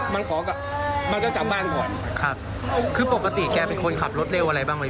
มันขอกลับมันก็กลับบ้านก่อนครับคือปกติแกเป็นคนขับรถเร็วอะไรบ้างไหม